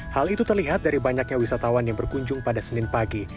hal itu terlihat dari banyaknya wisatawan yang berkunjung pada senin pagi